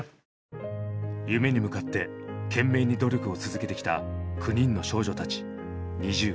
夢に向かって懸命に努力を続けてきた９人の少女たちＮｉｚｉＵ。